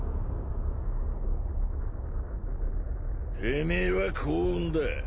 てめえは幸運だ。